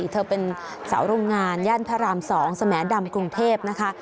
เธอเป็นสาวโรงงานย่านพระราม๒สมดำกรุงเทพนะคะ